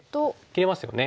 切れますよね。